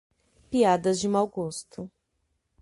Piadas de mau gosto